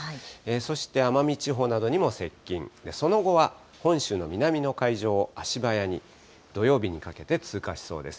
そして奄美地方などにも接近、その後は本州の南の海上を足早に、土曜日にかけて通過しそうです。